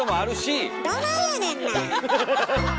どないやねんな！